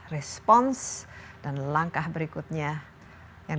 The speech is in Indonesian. respons dan langkah berikutnya yang